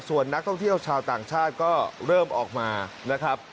ส่วนนักท่องเที่ยวชาวต่างชาติก็เริ่มออกมานะครับ